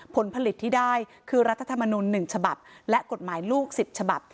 ผลผลิตที่ได้คือรัฐธรรมนุน๑ฉบับและกฎหมายลูก๑๐ฉบับ